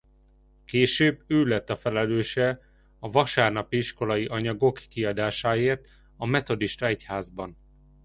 Később ő lett a felelőse a vasárnapi iskolai anyagok kiadásáért a metodista egyházban.